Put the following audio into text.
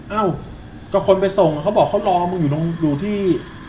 เอ้าก็คนไปส่งเขาบอกเขารอมึงอยู่ที่